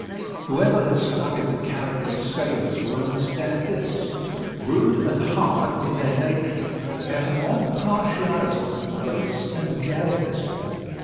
Whoever has studied the character of sailors will understand this: rude and hard in their nature, they have an odd partiality for grace and delicacy.